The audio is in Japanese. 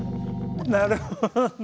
なるほど！